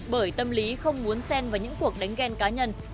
bởi tâm lý không muốn sen vào những cuộc đánh ghen cá nhân